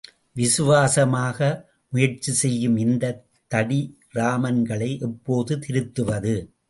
விசுவாசமாக முயற்சி செய்யும் இந்தத் தடிராமன்களை, எப்போது திருத்துவது?